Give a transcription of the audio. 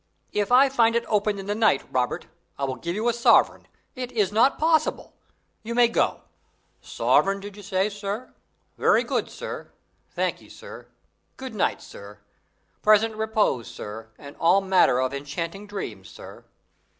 "If I find it open in the night, Robert, I will give you a sovereign. It is not possible. You may go." "Soverin' did you say, sir? Very good, sir. Thank ye, sir. Good night, sir. Pleasant reepose, sir, and all manner of hinchantin' dreams, sir."